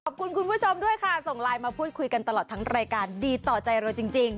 คุณผู้ชมด้วยค่ะส่งไลน์มาพูดคุยกันตลอดทั้งรายการดีต่อใจเราจริง